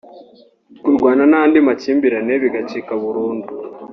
kurwana n’andi makimbirane bigacika burundu